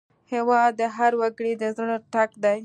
هېواد د هر وګړي د زړه ټک دی.